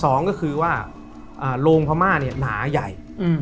สองก็คือว่าโรงพม่าเนี่ยหนาใหญ่